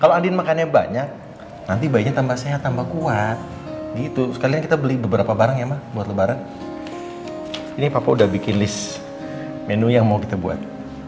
kalau andin makannya banyak ya kamu bisa ngajakin ke andin nanti bayi tambah sehat tambah kuat gitu sekalian kita beli beberapa barangnya mau buatle bareng ini papa udah bikin list menu yang mau kita buat